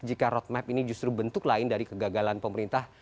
jika roadmap ini justru bentuk lain dari kegagalan pemerintah